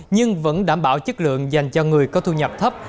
nhưng vẫn đảm bảo chất lượng dành cho người có thu nhập thấp